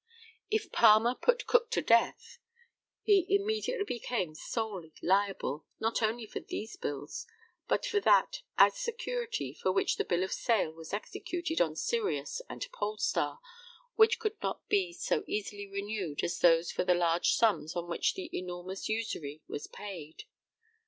If Palmer put Cook to death, he immediately became solely liable, not only for these bills, but for that, as security, for which the bill of sale was executed on Sirius and Polestar, which would not be so easily renewed as those for the large sums on which the enormous usury was paid.